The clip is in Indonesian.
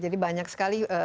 jadi banyak sekali